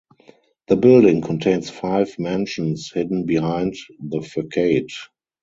The building contains five mansions hidden behind the facade.